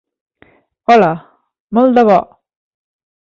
Hola, molt de bo!